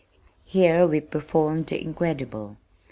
Here we performed the incredible.